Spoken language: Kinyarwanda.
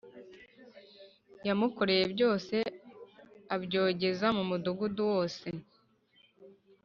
Yamukoreye byose abyogeza mu mudugudu wose